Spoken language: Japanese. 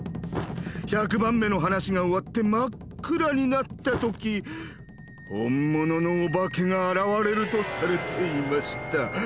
１００番目の話が終わって真っ暗になった時本物のお化けが現れるとされていました。